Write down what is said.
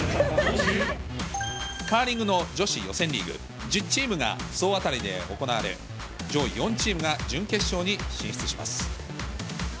カーリングの女子予選リーグ、１０チームが総当たりで行われ、上位４チームが準決勝に進出します。